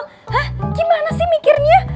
hah gimana sih mikirnya